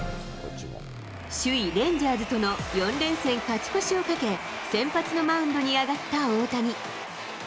首位レンジャーズとの４連戦勝ち越しをかけ、先発のマウンドに上がった大谷。